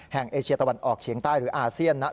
เอเชียตะวันออกเฉียงใต้หรืออาเซียนนะ